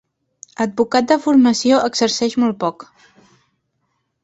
Advocat de formació, exerceix molt poc.